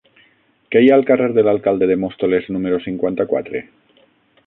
Què hi ha al carrer de l'Alcalde de Móstoles número cinquanta-quatre?